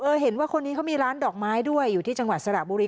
เห็นว่าคนนี้เขามีร้านดอกไม้ด้วยอยู่ที่จังหวัดสระบุรี